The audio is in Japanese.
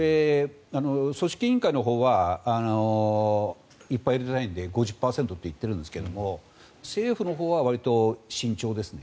組織委員会のほうはいっぱい入れたいので５０％と言ってるんですが政府のほうはわりと慎重ですね。